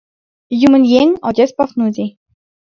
Юмын еҥ — отец Пафнутий.